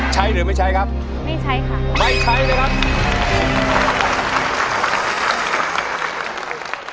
ใช้หรือไม่ใช้ครับไม่ใช้ค่ะไม่ใช้เลยครับ